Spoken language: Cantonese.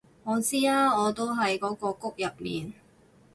我知啊我都喺嗰個谷入面